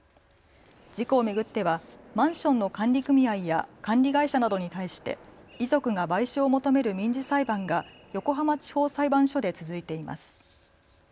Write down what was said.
事故を巡ってはマンションの管理組合や管理会社などに対して遺族が賠償を求める民事裁判が横浜地方裁判所で続いています。